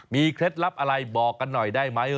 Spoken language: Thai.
เคล็ดลับอะไรบอกกันหน่อยได้ไหม